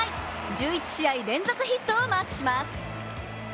１１試合連続ヒットをマークします。